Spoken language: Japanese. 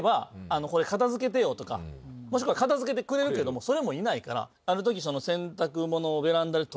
もしくは片付けてくれるけどもそれもいないからある時。